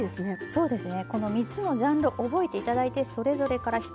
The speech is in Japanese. そうですね。